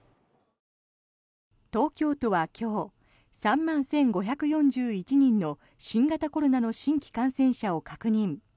東京都は今日、３万１５４１人の新型コロナの新規感染者数を確認。